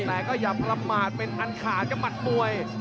แต่ก็อย่าประมาทเป็นอันขาดครับหมัดมวย